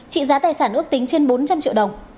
trị giá tài sản ước tính trên bốn trăm linh triệu đồng